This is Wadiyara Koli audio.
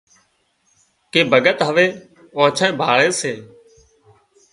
ڪي ڀڳت هوي آنڇانئي ڀاۯي سي